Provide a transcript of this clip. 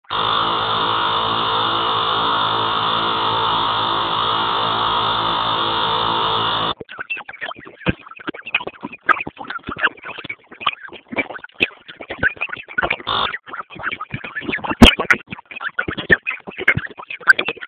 هغه وويل خود.